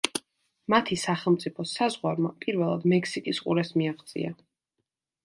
მათი სახელმწიფოს საზღვარმა პირველად მექსიკის ყურეს მიაღწია.